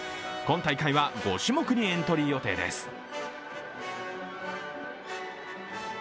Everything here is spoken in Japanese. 今大会は５種目にエントリー予定です。